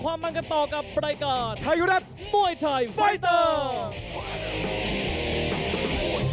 กลับมาแล้วเปิดความมั่งกันต่อกับประดายการไทยุดับมวยไทยไฟเตอร์